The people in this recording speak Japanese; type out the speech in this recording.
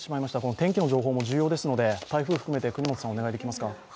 天気の情報も重要ですので、台風を含めて國本さん、お願いします。